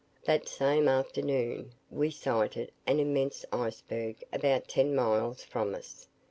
That same afternoon, we sighted an immense iceberg about ten miles from us.